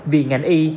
vì ngành y